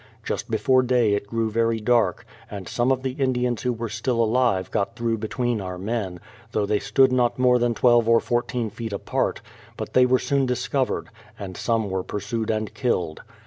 Just before day it grew very dark, and some of the Indians who were still alive got through between our men, though they stood not more than twelve or fourteen feet apart; but they were soon discovered, and some were pursued and killed.